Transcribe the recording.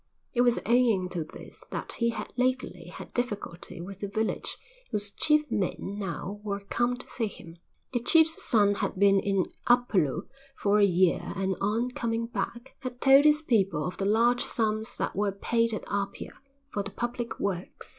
It was owing to this that he had lately had difficulty with the village whose chief men now were come to see him. The chief's son had been in Upolu for a year and on coming back had told his people of the large sums that were paid at Apia for the public works.